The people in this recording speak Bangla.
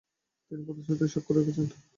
তিনি প্রতিশ্রুতিশীলতার স্বাক্ষর রেখেছেন।